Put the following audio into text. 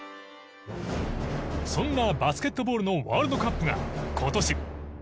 そんなバスケットボールのワールドカップが今年。